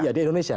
ya di indonesia